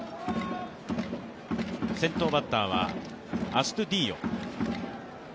先頭バッターは、アストゥディーヨ。